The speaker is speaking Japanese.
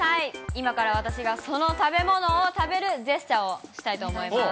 今から私がその食べ物を食べるジェスチャーをしたいと思います。